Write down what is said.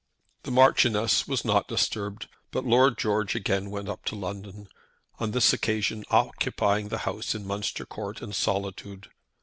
The Marchioness was not disturbed, but Lord George again went up to London, on this occasion occupying the house in Munster Court in solitude.